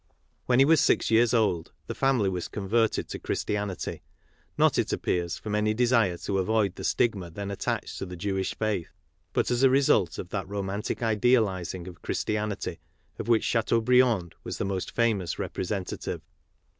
When he was six years old, the family was converted to Christianity, not, it appears, from any desire to avoid the stigma then attached to the Jewish faith, but' as a result of that romantic idealizing of Christianity of which Chateau briand was the most famous representative.